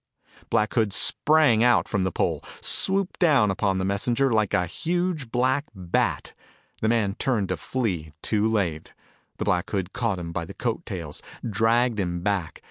Black Hood sprang out from the pole, swooped down upon the messenger like a huge black bat. The man turned to flee too late. Black Hood caught him by the coat tails, dragged him back.